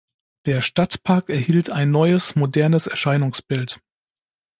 Der Stadtpark erhielt ein neues, modernes Erscheinungsbild.